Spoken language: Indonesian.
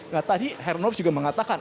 nah tadi herr noff juga mengatakan